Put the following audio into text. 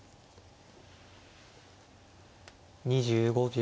２５秒。